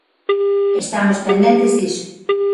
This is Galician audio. Estamos pendentes diso.